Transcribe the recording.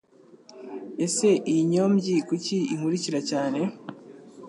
ese iyi nyombyi kuki inkurikira cyane